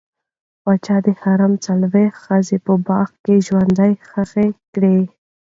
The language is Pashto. پاچا د حرم څلوېښت ښځې په باغ کې ژوندۍ ښخې کړې.